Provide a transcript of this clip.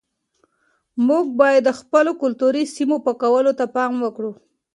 موږ باید د خپلو کلتوري سیمو پاکوالي ته پام وکړو.